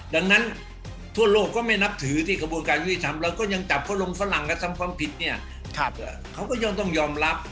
ดังนั้นทั่วโลกก็ไม่นับถือที่กระบวนการยุติธรรมเราก็ยังจับเขาลงฝรั่งกระทำความผิดเนี่ยเขาก็ย่อมต้องยอมรับ